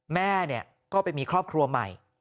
แม่ก็ไปมีครอบครัวใหม่